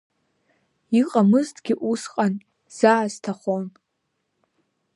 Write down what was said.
Иҟамызҭгьы усҟан, заа сҭахон.